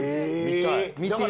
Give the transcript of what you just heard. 見たい。